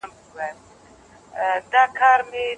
نه په برخه دي خزان سو نه نصیب دي پسرلی سو